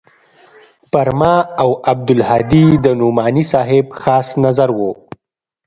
پر ما او عبدالهادي د نعماني صاحب خاص نظر و.